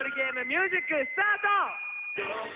ミュージックスタート！